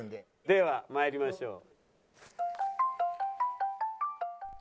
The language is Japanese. では参りましょう。